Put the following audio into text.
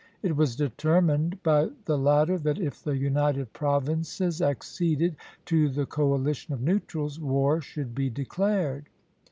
It was determined by the latter that if the United Provinces acceded to the coalition of neutrals, war should be declared.